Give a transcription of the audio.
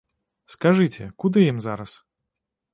Скажыце, куды ім зараз?